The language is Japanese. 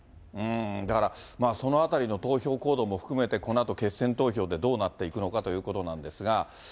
だから、まあそのあたりの投票行動も含めて、このあと決選投票でどうなっていくのかということなんですが。